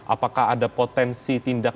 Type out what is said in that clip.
apakah ada potensi tindak